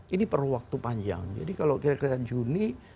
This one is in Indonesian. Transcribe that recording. ini perlu waktu panjang jadi kalau kira kira juni